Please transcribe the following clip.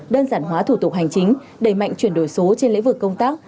đơn giản hóa thủ tục hành chính đẩy mạnh chuyển đổi số trên lĩnh vực công tác